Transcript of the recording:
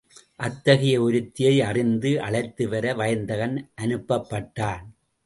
அத்தகைய ஒருத்தியை அறிந்து அழைத்து வர வயந்தகன் அனுப்பப்பட்டான்.